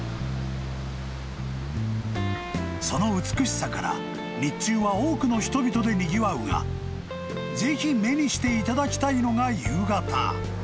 ［その美しさから日中は多くの人々でにぎわうがぜひ目にしていただきたいのが夕方］